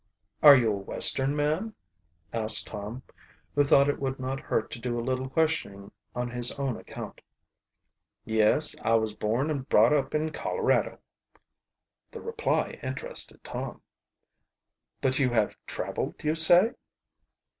"Are you a Western man?" asked Tom, who thought it would not hurt to do a little questioning on his own account. "Yes, I was born and brought up in Colorado." The reply interested Tom. "But you have traveled, you say?"